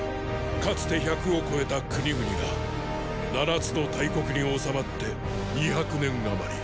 かつて百を超えた国々が七つの大国に収まって二百年余り。